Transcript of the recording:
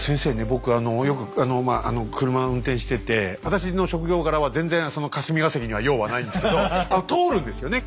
僕あのよくまあ車運転してて私の職業柄は全然その霞が関には用はないんですけど通るんですよね。